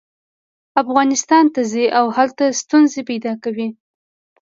افغانستان ته ځي او هلته ستونزې پیدا کوي.